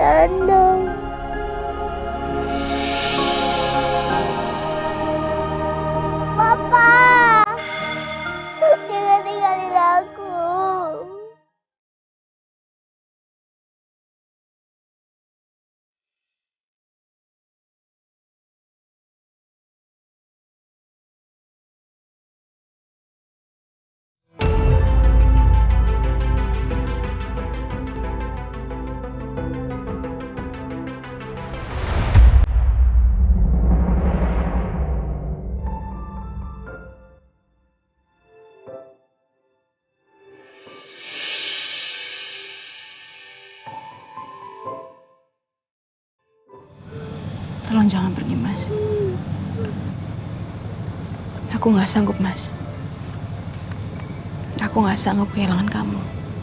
aku gak sanggup kehilangan kamu